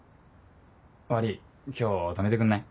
悪ぃ今日泊めてくんない？